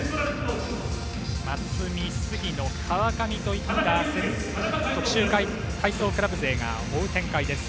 松見、杉野、川上といった徳洲会体操クラブ勢が追う展開です。